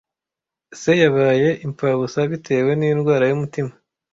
Se yabaye impfabusa bitewe n'indwara y'umutima.